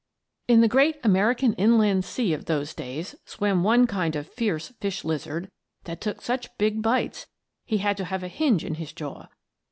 "] In the great American inland sea of those days swam one kind of fierce fish lizard that took such big bites he had to have a hinge in his jaw.